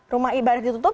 rumah ibadah ditutup